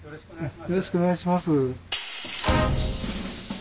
よろしくお願いします。